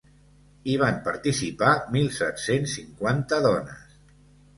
Hi van participar mil set-cents cinquanta dones.